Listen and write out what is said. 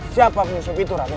siapa penyusup itu raden